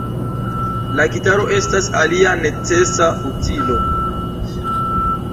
La gitaro estas alia necesa utilo.